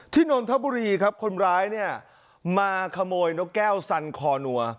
นนทบุรีครับคนร้ายเนี่ยมาขโมยนกแก้วสันคอนัว